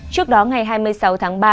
trước đó ngày hai mươi sáu tháng ba